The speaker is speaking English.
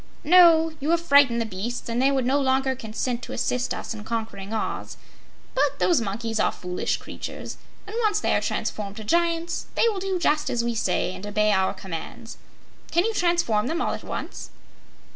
"No; you have frightened the beasts, and they would no longer consent to assist us in conquering Oz. But those monkeys are foolish creatures, and once they are transformed to Giants, they will do just as we say and obey our commands. Can you transform them all at once?"